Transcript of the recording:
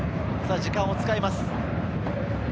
時間を使います。